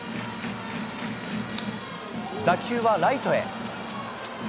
打球はライトへ。